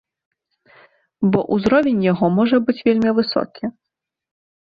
Бо ўзровень яго можа быць вельмі высокі.